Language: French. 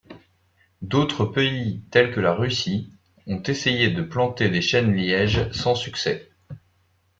D’autres pays, tels que la Russie, ont essayé de planter des chênes-lièges sans succès.